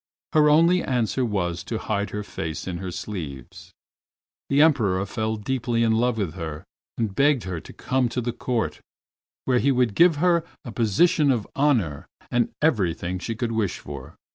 Her only answer was to hide her face in her sleeves. The Emperor fell deeply in love with her, and begged her to come to the Court, where he would give her a position of honor and everything she could wish for.